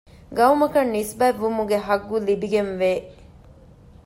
ޤައުމަކަށް ނިސްބަތް ވުމުގެ ޙައްޤު ލިބިގެންވޭ